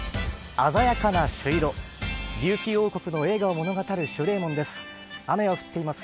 鮮やかな朱色、琉球王国の栄華を物語る守礼門です。